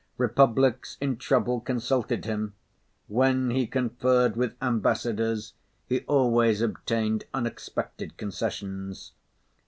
Republics in trouble consulted him; when he conferred with ambassadors, he always obtained unexpected concessions.